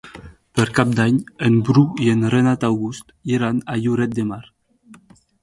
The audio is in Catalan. Per Cap d'Any en Bru i en Renat August iran a Lloret de Mar.